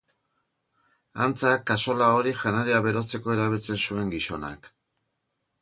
Antza, kazola hori janaria berotzeko erabiltzen zuen gizonak.